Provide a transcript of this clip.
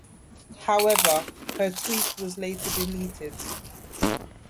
However, her tweet was later deleted.